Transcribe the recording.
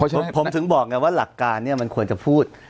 ผมถึงบอกไงว่าหลักการเนี่ยมันควรจะพูด